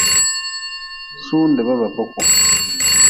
Sundba ba boku.